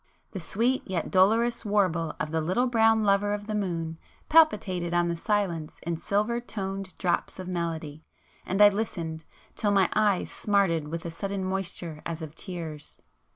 The sweet yet dolorous warble of the 'little brown lover of the moon,' palpitated on the silence in silver toned drops of melody; and I listened, till my eyes smarted with a sudden moisture as of tears.